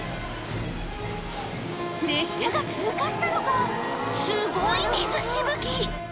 列車が通過したのかすごい水しぶき！